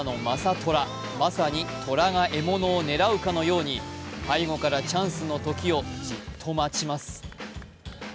虎、まさに虎が獲物を狙うかのように背後からチャンスの時をじっと待ちます。